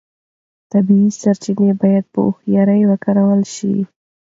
طبیعي سرچینې باید په هوښیارۍ وکارول شي.